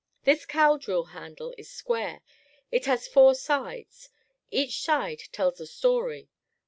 This cow drill handle is square. It has four sides. Each side tells a story.